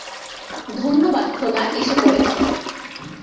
ধন্যবাদ খোদা, এসে পড়েছো।